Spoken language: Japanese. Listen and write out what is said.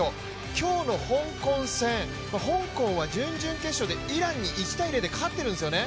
今日の香港戦香港は準々決勝でイランに１−０で勝っているんですよね。